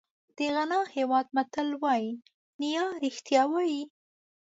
د غانا هېواد متل وایي نیا رښتیا وایي.